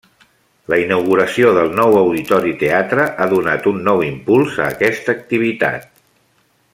La inauguració del nou Auditori Teatre ha donat un nou impuls a aquesta activitat.